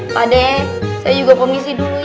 pakde saya juga komisi dulu ya